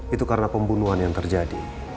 itu karena pembunuhan yang terjadi